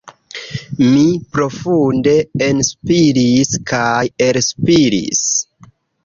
Mi profunde enspiris kaj elspiris.